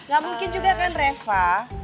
ga mungkin juga kan rafa